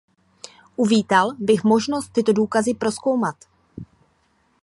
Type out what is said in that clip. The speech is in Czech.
Uvítal bych možnost tyto důkazy prozkoumat.